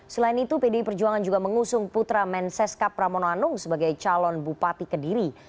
selain itu pdi perjuangan juga mengusung putra menseska pramono anung sebagai calon bupati kediri